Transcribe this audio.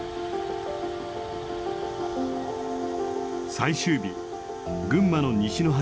最終日群馬の西の端